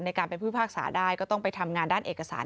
การเป็นผู้พิพากษาได้ก็ต้องไปทำงานด้านเอกสาร